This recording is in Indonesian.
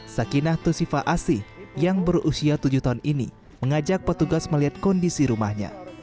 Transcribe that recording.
sakinah tusifa asih yang berusia tujuh tahun ini mengajak petugas melihat kondisi rumahnya